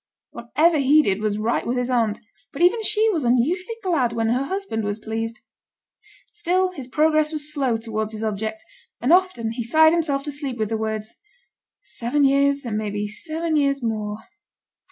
Whatever he did was right with his aunt; but even she was unusually glad when her husband was pleased. Still his progress was slow towards his object; and often he sighed himself to sleep with the words, 'seven years, and maybe seven years more'.